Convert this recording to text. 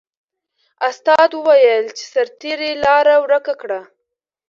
استاد وویل چې سرتیري لاره ورکه کړه.